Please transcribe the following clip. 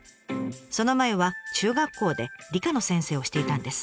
その前は中学校で理科の先生をしていたんです。